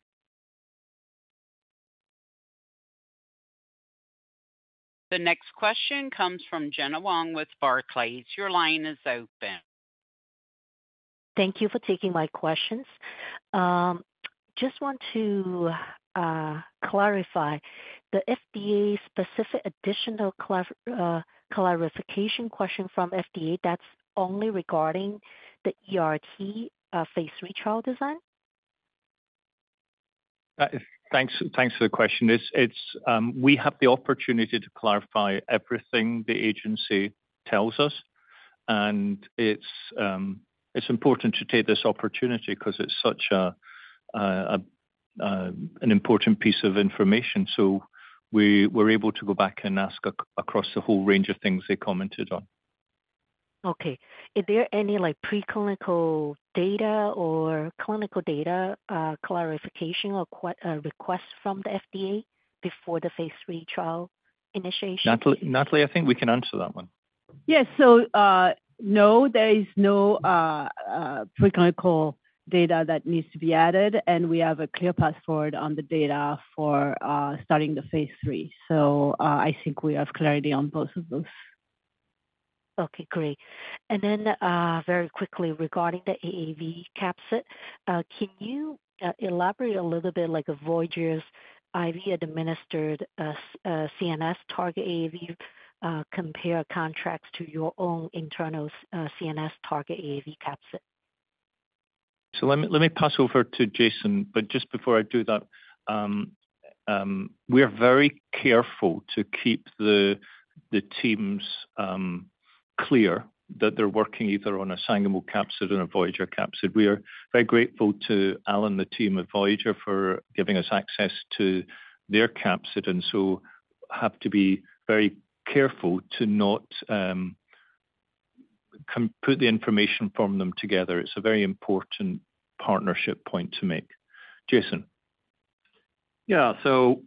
The next question comes from Gena Wang with Barclays. Your line is open. Thank you for taking my questions. Just want to clarify, the FDA's specific additional clarification question from FDA, that's only regarding the ERT, phase III trial design? Thanks, thanks for the question. It's, it's, we have the opportunity to clarify everything the agency tells us, and it's, it's important to take this opportunity because it's such a an important piece of information. We were able to go back and ask across the whole range of things they commented on. Okay. Is there any, like, preclinical data or clinical data, clarification or request from the FDA before the phase III trial initiation? Nathalie, Nathalie, I think we can answer that one. Yes. No, there is no preclinical data that needs to be added, and we have a clear path forward on the data for starting the phase III. I think we have clarity on both of those. Okay, great. Then, very quickly, regarding the AAV capsid, can you elaborate a little bit, like, Voyager's IV-administered, CNS target AAV, compare or contrast to your own internal, CNS target AAV capsid? Let me, let me pass over to Jason, but just before I do that, we're very careful to keep the, the teams, clear that they're working either on a Sangamo capsid or a Voyager capsid. We are very grateful to Al and the team at Voyager for giving us access to their capsid, and so have to be very careful to not put the information from them together. It's a very important partnership point to make. Jason? Yeah, so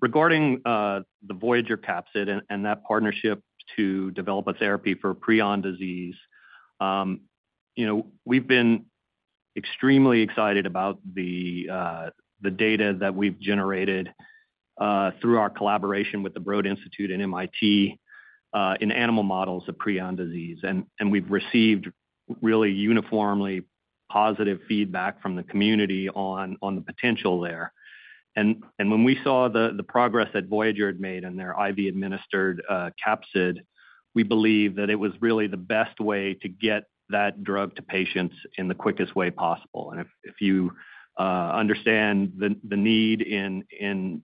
regarding the Voyager capsid and that partnership to develop a therapy for prion disease, you know, we've been extremely excited about the data that we've generated through our collaboration with the Broad Institute and MIT, in animal models of prion disease. We've received really uniformly positive feedback from the community on the potential there. When we saw the progress that Voyager had made in their IV-administered capsid, we believe that it was really the best way to get that drug to patients in the quickest way possible. If you understand the need in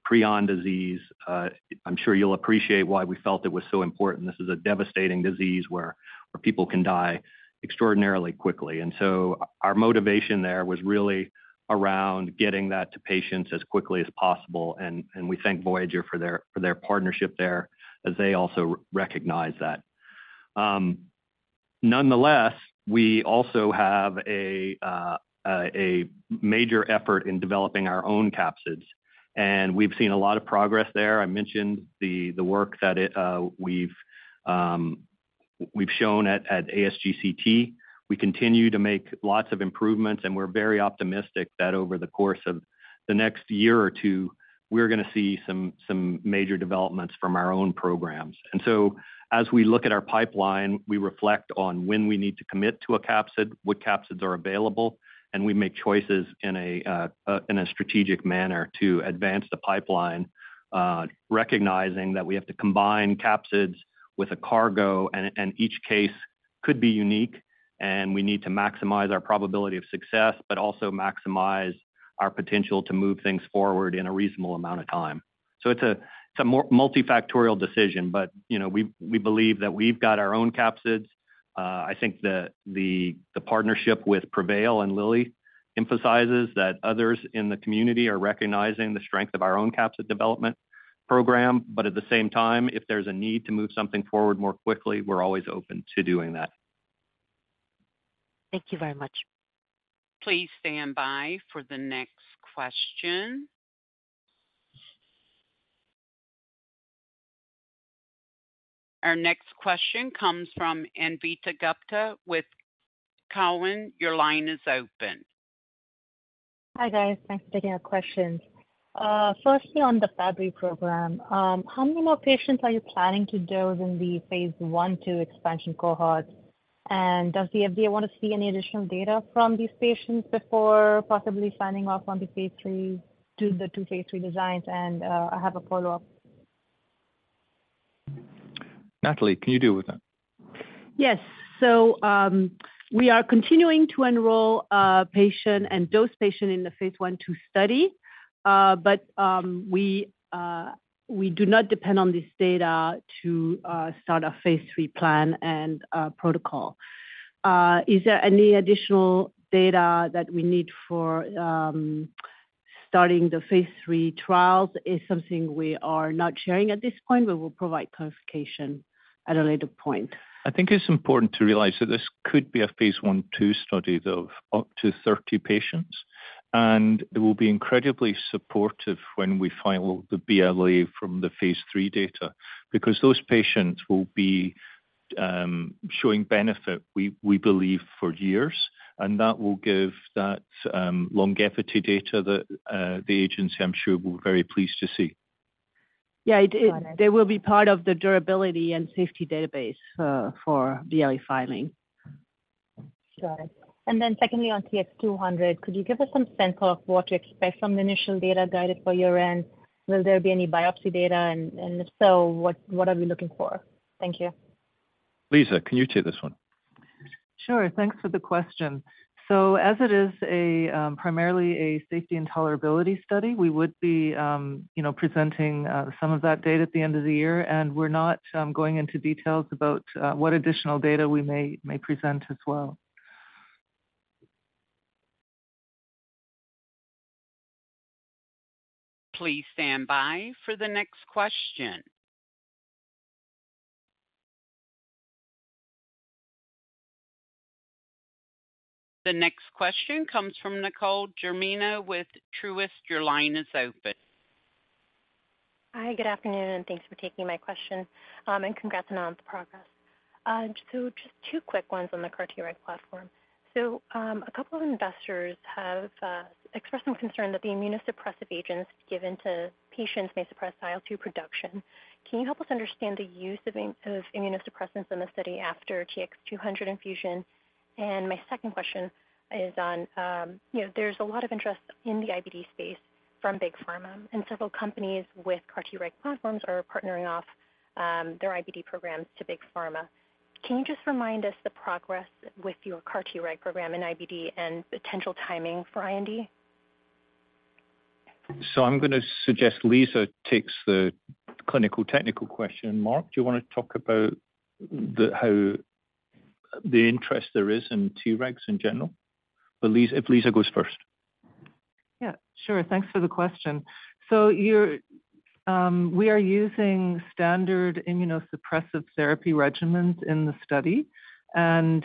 prion disease, I'm sure you'll appreciate why we felt it was so important. This is a devastating disease where people can die extraordinarily quickly. Our motivation there was really around getting that to patients as quickly as possible, and, and we thank Voyager for their, for their partnership there, as they also recognize that. Nonetheless, we also have a major effort in developing our own capsids, and we've seen a lot of progress there. I mentioned the work that we've shown at ASGCT. We continue to make lots of improvements, and we're very optimistic that over the course of the next year or two, we're gonna see some, some major developments from our own programs. As we look at our pipeline, we reflect on when we need to commit to a capsid, what capsids are available, and we make choices in a strategic manner to advance the pipeline, recognizing that we have to combine capsids with a cargo and, and each case could be unique, and we need to maximize our probability of success, but also maximize our potential to move things forward in a reasonable amount of time. It's a, it's a MOR – multifactorial decision, but, you know, we've, we believe that we've got our own capsids. I think the partnership with Prevail and Lilly emphasizes that others in the community are recognizing the strength of our own capsid development program, but at the same time, if there's a need to move something forward more quickly, we're always open to doing that. Thank you very much. Please stand by for the next question. Our next question comes from Anvita Gupta with Cowen. Your line is open. Hi, guys. Thanks for taking our questions. firstly, on the Fabry program, how many more patients are you planning to dose in the Phase 1/2 expansion cohorts? Does the FDA want to see any additional data from these patients before possibly signing off on the phase III... to the II phase III designs? I have a follow-up. Natalie, can you deal with that? Yes. We are continuing to enroll, patient and dose patient in the phase I, II study, but, we, we do not depend on this data to, start our phase III plan and, protocol. Is there any additional data that we need for, starting the phase III trials? It's something we are not sharing at this point. We will provide clarification at a later point. I think it's important to realize that this could be a Phase I/II study of up to 30 patients. It will be incredibly supportive when we file the BLA from the phase III data because those patients will be showing benefit, we believe, for years. That will give that longevity data that the agency, I'm sure, will be very pleased to see. Got it. Yeah, they will be part of the durability and safety database for BLA filing. Got it. Then secondly, on TX200, could you give us some sense of what to expect from the initial data guided for year-end? Will there be any biopsy data, and if so, what are we looking for? Thank you. Lisa, can you take this one? Sure. Thanks for the question. As it is a primarily a safety and tolerability study, we would be, you know, presenting some of that data at the end of the year, and we're not going into details about what additional data we may, may present as well. Please stand by for the next question. The next question comes from Nicole Germino with Truist. Your line is open. Hi, good afternoon, thanks for taking my question. Congrats on all the progress. Just two quick ones on the CAR-Treg platform. A couple of investors have expressed some concern that the immunosuppressive agents given to patients may suppress IL-2 production. Can you help us understand the use of immunosuppressants in the study after TX200 infusion? My second question is on, you know, there's a lot of interest in the IBD space from big pharma, and several companies with CAR-Treg platforms are partnering off their IBD programs to big pharma. Can you just remind us the progress with your CAR-Treg program in IBD and potential timing for IND? I'm gonna suggest Lisa takes the clinical technical question. Mark, do you wanna talk about the, how the interest there is in Tregs in general? Lisa, if Lisa goes first. Yeah, sure. Thanks for the question. We are using standard immunosuppressive therapy regimens in the study and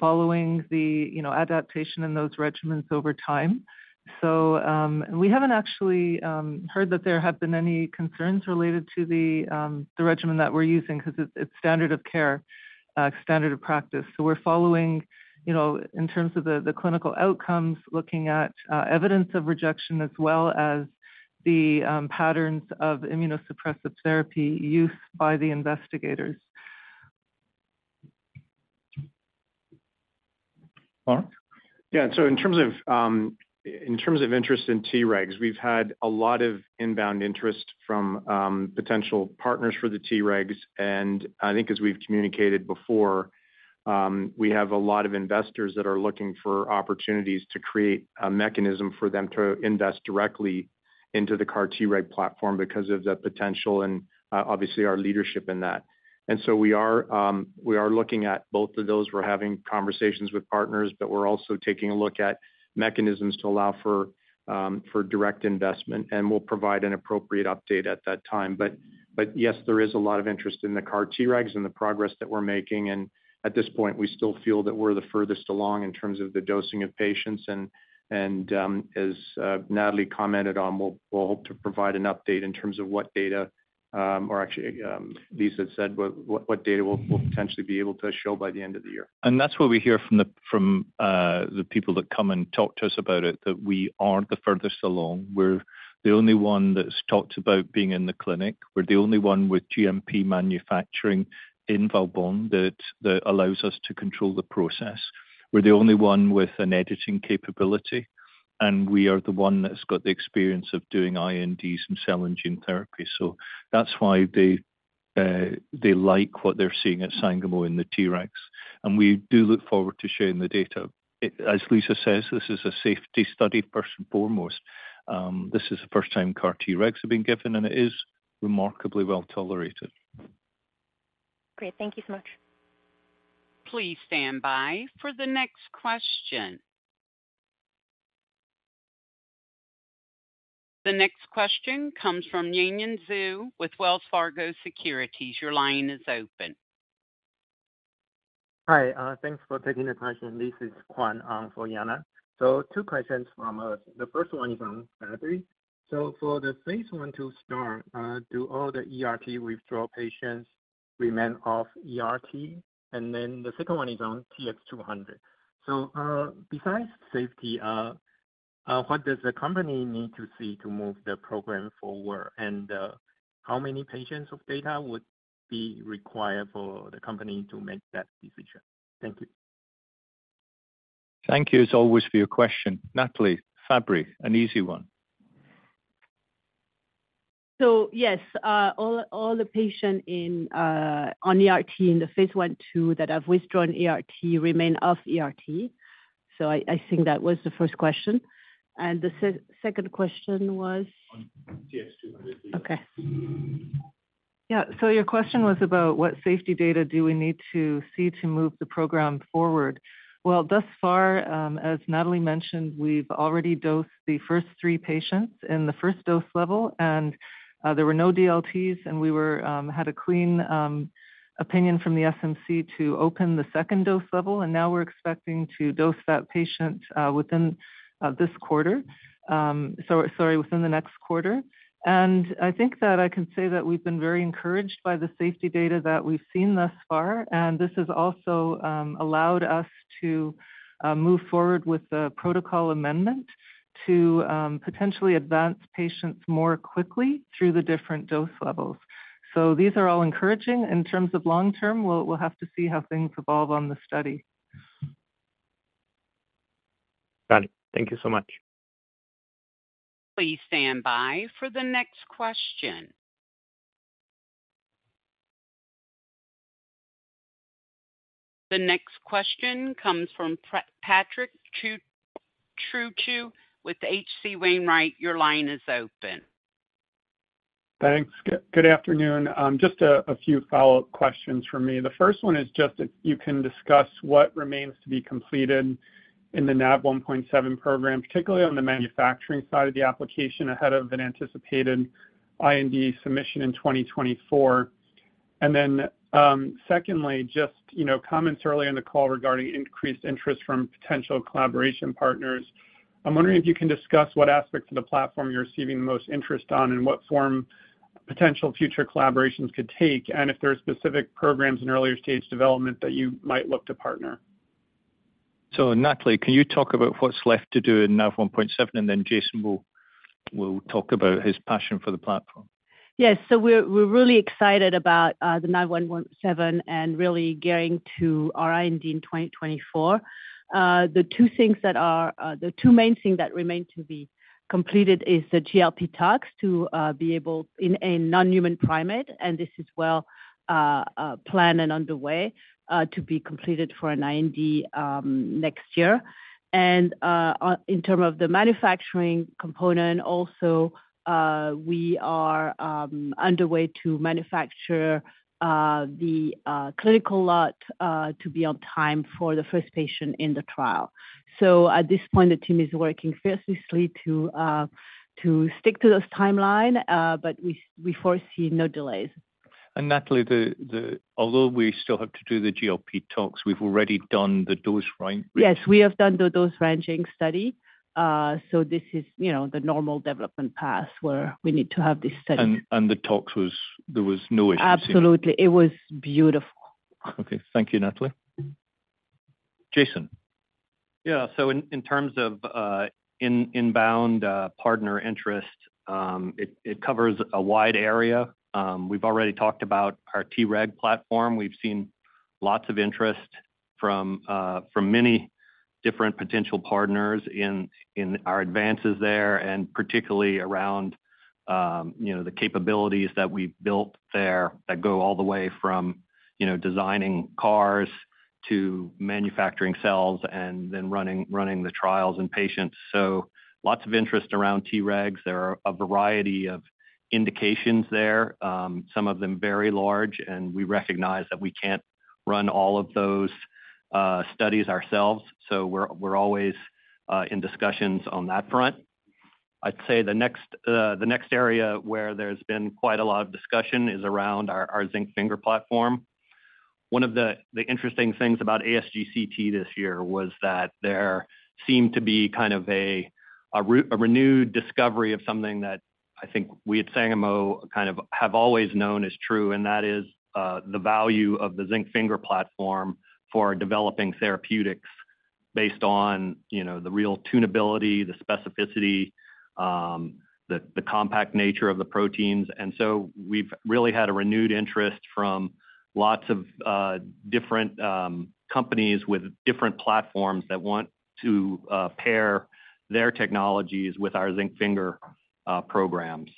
following the, you know, adaptation in those regimens over time. We haven't actually heard that there have been any concerns related to the regimen that we're using 'cause it's, it's standard of care, standard of practice. We're following, you know, in terms of the clinical outcomes, looking at evidence of rejection as well as the patterns of immunosuppressive therapy use by the investigators. Mark? Yeah, so in terms of, in terms of interest in Tregs, we've had a lot of inbound interest from potential partners for the Tregs, I think as we've communicated before, we have a lot of investors that are looking for opportunities to create a mechanism for them to invest directly into the CAR-Treg platform because of the potential and, obviously, our leadership in that. We are, we are looking at both of those. We're having conversations with partners, but we're also taking a look at mechanisms to allow for direct investment, and we'll provide an appropriate update at that time. Yes, there is a lot of interest in the CAR-Tregs and the progress that we're making, and at this point, we still feel that we're the furthest along in terms of the dosing of patients, and, and as Natalie commented on, we'll, we'll hope to provide an update in terms of what data, or actually, Lisa said, what, what data we'll, we'll potentially be able to show by the end of the year. That's what we hear from the, from the people that come and talk to us about it, that we are the furthest along. We're the only one that's talked about being in the clinic. We're the only one with GMP manufacturing in Valbonne that, that allows us to control the process. We're the only one with an editing capability, and we are the one that's got the experience of doing INDs in cell and gene therapy. That's why they, they like what they're seeing at Sangamo in the Tregs, and we do look forward to sharing the data. As Lisa says, this is a safety study first and foremost. This is the first time CAR Tregs have been given, and it is remarkably well tolerated. Great. Thank you so much. Please stand by for the next question. The next question comes from Yanan Zhu with Wells Fargo Securities. Your line is open. Hi. Thanks for taking the question. This is Guan on for Yanan. two questions from us. The first one is on Fabry. For the phase I to start, do all the ERT withdrawal patients remain off ERT? The second one is on TX200. Besides safety, what does the company need to see to move the program forward? How many patients of data would be required for the company to make that decision? Thank you. Thank you, as always, for your question. Natalie, Fabry, an easy one. Yes, all the patients on ERT in the phase I, II, that have withdrawn ERT remain off ERT. I think that was the 1st question. The 2nd question was? On TX200, please. Okay. Yeah. Your question was about what safety data do we need to see to move the program forward? Well, thus far, as Natalie mentioned, we've already dosed the first 3 patients in the first dose level, and there were no DLTs, and we were had a clean opinion from the SMC to open the second dose level, and now we're expecting to dose that patient within this quarter. Sorry, within the next quarter. I think that I can say that we've been very encouraged by the safety data that we've seen thus far, and this has also allowed us to move forward with the protocol amendment to potentially advance patients more quickly through the different dose levels. These are all encouraging. In terms of long term, we'll have to see how things evolve on the study. Got it. Thank you so much. Please stand by for the next question. The next question comes from Patrick Trucchio with H.C. Wainwright. Your line is open. Thanks. Good, good afternoon. Just a, a few follow-up questions from me. The first one is just if you can discuss what remains to be completed in the Nav1.7 program, particularly on the manufacturing side of the application, ahead of an anticipated IND submission in 2024? Secondly, just, you know, comments early in the call regarding increased interest from potential collaboration partners. I'm wondering if you can discuss what aspects of the platform you're receiving the most interest on, and what form potential future collaborations could take, and if there are specific programs in earlier-stage development that you might look to partner. Nathalie, can you talk about what's left to do in Nav1.7, and then Jason will, will talk about his passion for the platform? Yes. We're, we're really excited about the Nav1.7 and really getting to our IND in 2024. The two things that are the two main things that remain to be completed is the GLP tox to be able in a non-human primate, and this is well planned and underway to be completed for an IND next year. In terms of the manufacturing component, also, we are underway to manufacture the clinical lot to be on time for the first patient in the trial. At this point, the team is working fiercely to stick to those timeline, but we, we foresee no delays. Nathalie, Although we still have to do the GLP tox, we've already done the dose range. Yes, we have done the dose-ranging study. This is, you know, the normal development path where we need to have this study. The tox was, there was no issues. Absolutely. It was beautiful. Okay. Thank you, Nathalie. Jason? Yeah. In, in terms of in-inbound partner interest, it covers a wide area. We've already talked about our Treg platform. We've seen lots of interest from many different potential partners in our advances there, and particularly around, you know, the capabilities that we've built there that go all the way from, you know, designing CARs to manufacturing cells and then running, running the trials in patients. Lots of interest around Tregs. There are a variety of indications there, some of them very large, and we recognize that we can't run all of those studies ourselves, so we're always in discussions on that front. I'd say the next, the next area where there's been quite a lot of discussion is around our zinc finger platform. One of the interesting things about ASGCT this year was that there seemed to be kind of a renewed discovery of something that I think we at Sangamo kind of have always known is true, and that is the value of the zinc finger platform for developing therapeutics based on, you know, the real tunability, the specificity, the compact nature of the proteins. And so we've really had a renewed interest from lots of different companies with different platforms that want to pair their technologies with our zinc finger programs.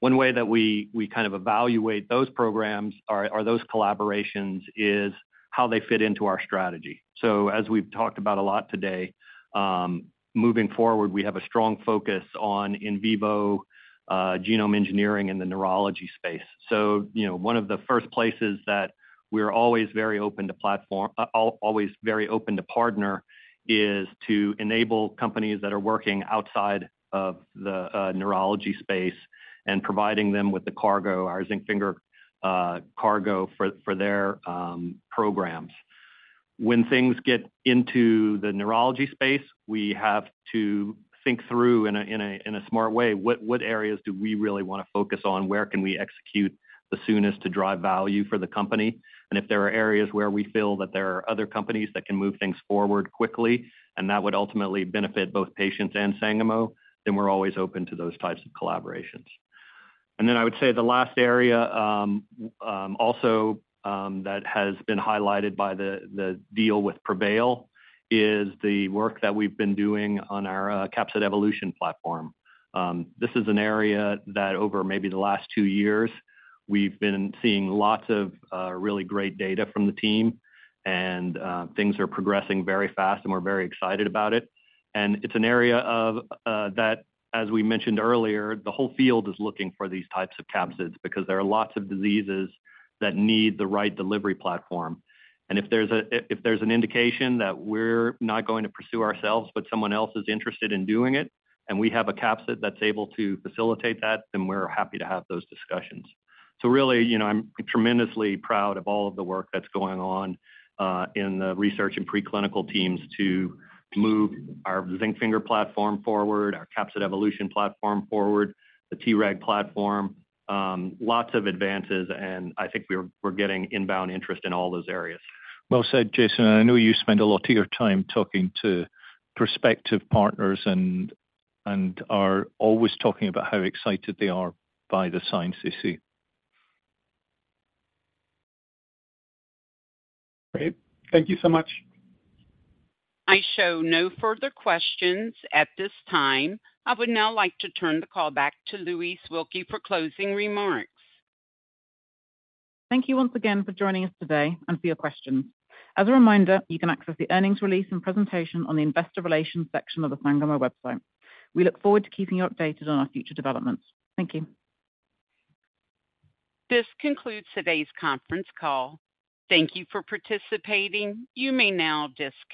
One way that we kind of evaluate those programs or those collaborations, is how they fit into our strategy. As we've talked about a lot today, moving forward, we have a strong focus on in vivo genome engineering in the neurology space. you know, one of the first places that we're always very open to partner, is to enable companies that are working outside of the neurology space and providing them with the cargo, our zinc finger cargo, for, for their programs. When things get into the neurology space, we have to think through in a smart way, what areas do we really want to focus on? Where can we execute the soonest to drive value for the company? If there are areas where we feel that there are other companies that can move things forward quickly, and that would ultimately benefit both patients and Sangamo, then we're always open to those types of collaborations. Then I would say the last area, also, that has been highlighted by the deal with Prevail, is the work that we've been doing on our capsid evolution platform. This is an area that over maybe the last two years, we've been seeing lots of really great data from the team, and things are progressing very fast, and we're very excited about it. It's an area of that, as we mentioned earlier, the whole field is looking for these types of capsids because there are lots of diseases that need the right delivery platform. If there's a, if, if there's an indication that we're not going to pursue ourselves, but someone else is interested in doing it, and we have a capsid that's able to facilitate that, then we're happy to have those discussions. Really, you know, I'm tremendously proud of all of the work that's going on, in the research and preclinical teams to move our zinc finger platform forward, our capsid evolution platform forward, the Treg platform. Lots of advances, and I think we're, we're getting inbound interest in all those areas. Well said, Jason, and I know you spend a lot of your time talking to prospective partners and, and are always talking about how excited they are by the science they see. Great. Thank you so much. I show no further questions at this time. I would now like to turn the call back to Louise Wilkie for closing remarks. Thank you once again for joining us today and for your questions. As a reminder, you can access the earnings release and presentation on the Investor Relations section of the Sangamo website. We look forward to keeping you updated on our future developments. Thank you. This concludes today's conference call. Thank you for participating. You may now disconnect.